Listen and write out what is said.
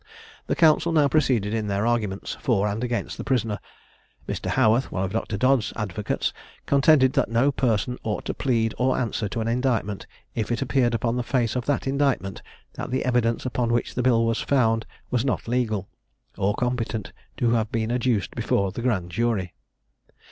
The counsel now proceeded in their arguments for and against the prisoner. Mr. Howarth, one of Dr. Dodd's advocates, contended that no person ought to plead or answer to an indictment, if it appeared upon the face of that indictment that the evidence upon which the bill was found was not legal, or competent to have been adduced before the grand jury.